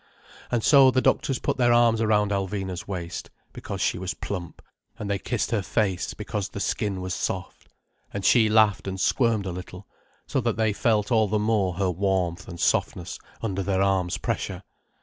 And so the doctors put their arms round Alvina's waist, because she was plump, and they kissed her face, because the skin was soft. And she laughed and squirmed a little, so that they felt all the more her warmth and softness under their arm's pressure.